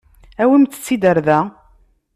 Awimt-tt-id ɣer da.